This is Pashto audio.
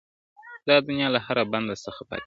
دا دنیا له هر بنده څخه پاتیږي-